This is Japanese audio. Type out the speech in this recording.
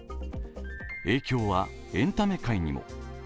影響はエンタメ界にも。